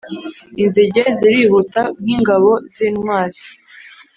Inzige zirihuta nk’ingabo z’intwari,